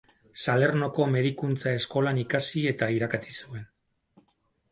Salernoko Medikuntza Eskolan ikasi eta irakatsi zuen.